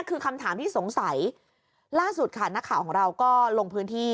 คือคำถามที่สงสัยล่าสุดค่ะนักข่าวของเราก็ลงพื้นที่